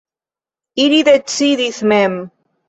Ili decidis mem.